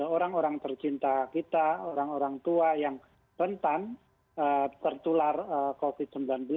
orang orang tercinta kita orang orang tua yang rentan tertular covid sembilan belas